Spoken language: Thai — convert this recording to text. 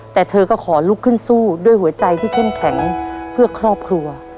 แต่เธอก็ขอลุกขึ้นสู้ด้วยหัวใจที่เข้มแข็งเพื่อครอบครัว